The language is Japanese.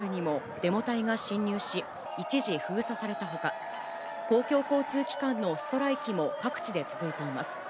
パリ郊外のシャルル・ドゴール空港のターミナルにもデモ隊が侵入し、一時封鎖されたほか、公共交通機関のストライキも各地で続いています。